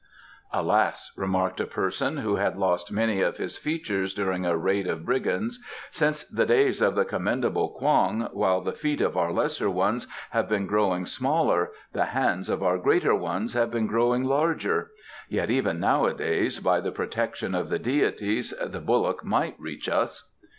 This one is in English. "Alas!" remarked a person who had lost many of his features during a raid of brigands, "since the days of the commendable Kwong, while the feet of our lesser ones have been growing smaller the hands of our greater ones have been growing larger. Yet even nowadays, by the protection of the deities, the bullock might reach us."